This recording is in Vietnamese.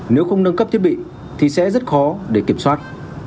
nếu không nâng cấp thiết bị thì sẽ rất khó để kiểm soát